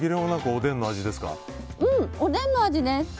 おでんの味です。